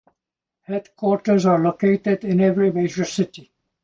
Headquarters are located in every major city.